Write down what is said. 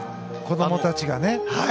子どもたちがね。